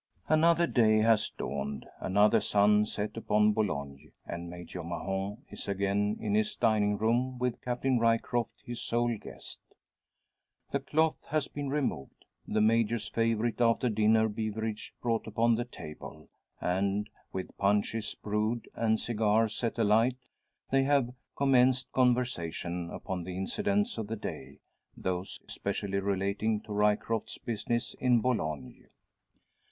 Another day has dawned, another sun set upon Boulogne; and Major Mahon is again in his dining room, with Captain Ryecroft, his sole guest. The cloth has been removed, the Major's favourite after dinner beverage brought upon the table, and, with punches "brewed" and cigars set alight, they have commenced conversation upon the incidents of the day those especially relating to Ryecroft's business in Boulogne.